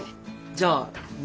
じゃあめ